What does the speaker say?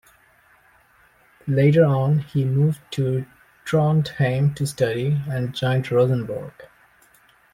Later on he moved to Trondheim to study, and joined Rosenborg.